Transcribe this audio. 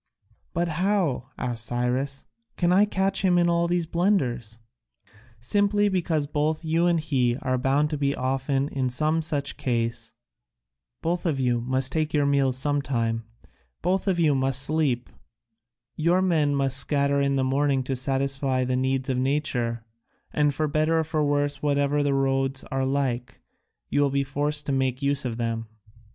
"But how," asked Cyrus, "can I catch him in all these blunders?" "Simply because both you and he are bound to be often in some such case; both of you must take your meals sometime; both of you must sleep; your men must scatter in the morning to satisfy the needs of nature, and, for better for worse, whatever the roads are like, you will be forced to make use of them.